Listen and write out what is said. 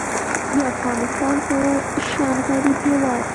د افغانستان په شان غریب هیواد